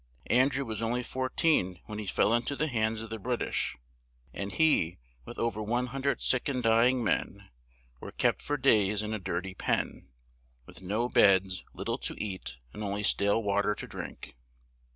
An drew was on ly four teen when he fell in to the hands of the Brit ish, and he, with o ver one hun dred sick and dy ing men, was kept for days in a dir ty pen, with no beds, lit tle to eat and on ly stale wa ter to drink.